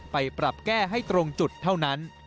ไปปรับแก้ให้ตรงจุดเท่านั้น